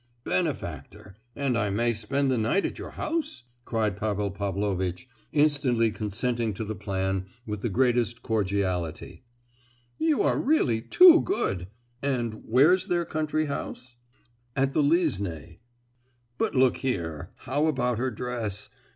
"Benefactor!—and I may spend the night at your house?" cried Pavel Pavlovitch, instantly consenting to the plan with the greatest cordiality,—"you are really too good! And where's their country house?" "At the Liesnoy." "But look here, how about her dress?